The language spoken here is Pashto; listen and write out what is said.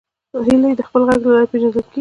هیلۍ د خپل غږ له لارې پیژندل کېږي